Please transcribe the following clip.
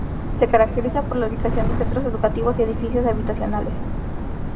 Se caracteriza por la ubicación de Centros Educativos y Edificios habitacionales.